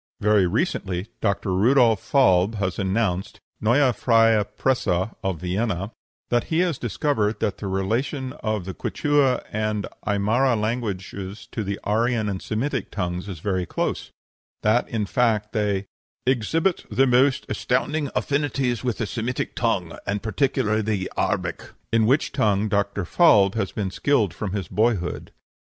Very recently Dr. Rudolf Falb has announced (Neue Freie Presse, of Vienna) that he has discovered that the relation of the Quichua and Aimara languages to the Aryan and Semitic tongues is very close; that, in fact, they "exhibit the most astounding affinities with the Semitic tongue, and particularly the Arabic," in which tongue Dr. Falb has been skilled from his boyhood.